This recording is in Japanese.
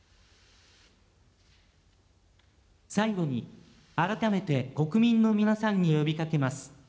最後に、改めて国民の皆さんに呼びかけます。